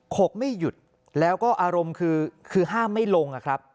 กไม่หยุดแล้วก็อารมณ์คือห้ามไม่ลงอะครับ